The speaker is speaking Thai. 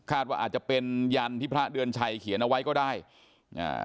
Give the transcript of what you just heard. ว่าอาจจะเป็นยันที่พระเดือนชัยเขียนเอาไว้ก็ได้อ่า